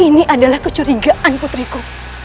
ini adalah kecurigaan putriku